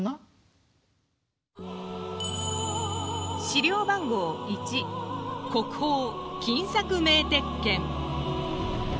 資料番号１国宝金錯銘鉄剣。